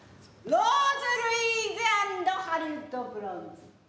ローズ・ルイーズ・アンド・ハリウッド・ブロンド。